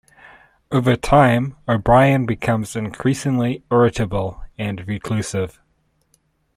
Over time, O'Brien becomes increasingly irritable and reclusive.